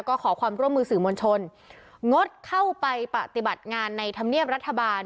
ก็ขอความร่วมมือสื่อมวลชนงดเข้าไปปฏิบัติงานในธรรมเนียบรัฐบาล